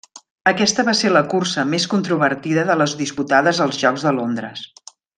Aquesta va ser la cursa més controvertida de les disputades als Jocs de Londres.